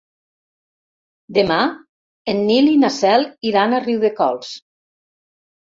Demà en Nil i na Cel iran a Riudecols.